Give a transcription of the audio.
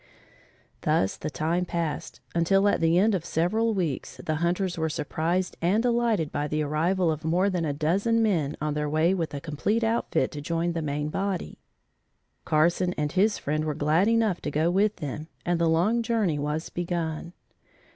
Thus the time passed, until at the end of several weeks, the hunters were surprised and delighted by the arrival of more than a dozen men on their way with a complete outfit to join the main body. Carson and his friend were glad enough to go with them and the long journey was begun.